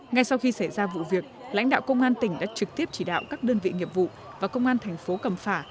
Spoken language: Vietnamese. ngay sau khi xảy ra vụ việc lãnh đạo công an tỉnh đã trực tiếp chỉ đạo các đơn vị nghiệp vụ và công an thành phố cầm phả